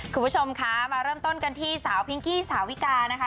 คุณผู้ชมคะมาเริ่มต้นกันที่สาวพิงกี้สาวิกานะคะ